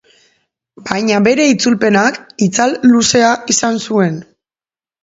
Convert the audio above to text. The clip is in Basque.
Baina bere itzulpenak itzal luzea izan zuen.